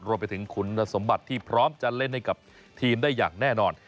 รวมไปถึงคุณสมบัติที่พร้อมจะเล่นให้กับทีมได้อย่างแน่นอน